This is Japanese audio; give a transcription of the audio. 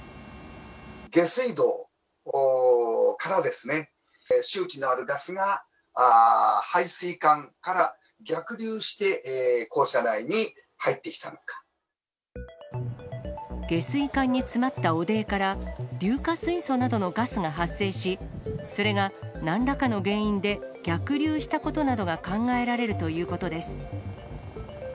下水道からですね、臭気のあるガスが配水管から逆流して、下水管に詰まった汚泥から、硫化水素などのガスが発生し、それがなんらかの原因で、逆流したことなどが考えられるということです。